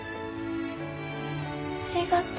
ありがとう。